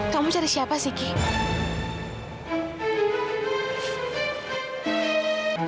kamu cari siapa sih ki